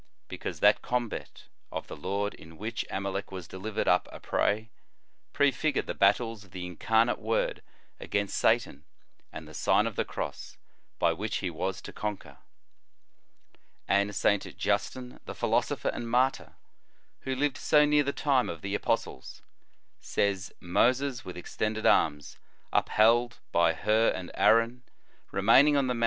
Because that combat of the Lord in which Amalec was delivered up a prey, prefigured the battles of the Incarnate Word against Satan, and the Sign of the Cross, by which He was to conquer.^ And St. Justin, the philosopher and martyr, who lived so near the time of the apostles, says: "Moses with extended arms, upheld by Hur and Aaron, remaining on the mountain * Exod. xvii. 10.